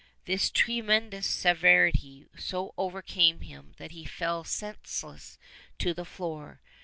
This tre mendous severity so overcame him that he fell senseless to the floor.